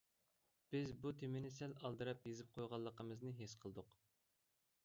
بىز بۇ تېمىنى سەل ئالدىراپ يېزىپ قويغانلىقىمىزنى ھېس قىلدۇق.